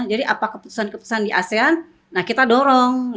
apa keputusan keputusan di asean nah kita dorong